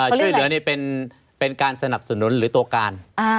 ช่วยเหลือนี่เป็นการสนับสนุนหรือตัวการ